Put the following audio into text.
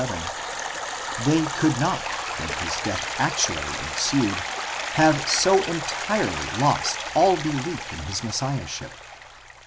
37), they could not, when his death actually ensued, have so entirely lost all belief in his messiahship.